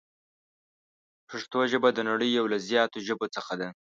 پښتو ژبه د نړۍ یو له زیاتو ژبو څخه ده.